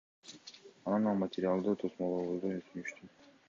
Анан ал материалды тосмолообузду өтүнүштү.